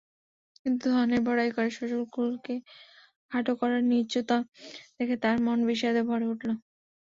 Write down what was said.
কিন্তু ধনের বড়াই করে শ্বশুরকুলকে খাটো করার নীচতা দেখে তার মন বিষাদে ভরে উঠল।